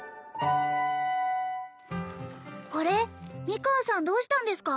ミカンさんどうしたんですか？